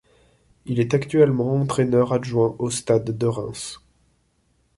Il est actuellement entraîneur adjoint au Stade de Reims.